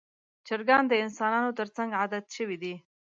چرګان د انسانانو تر څنګ عادت شوي دي.